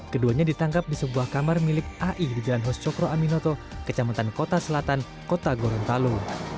keduanya ditangkap di sebuah kamar milik ai di jalan hos cokro aminoto kecamatan kota selatan kota gorontalo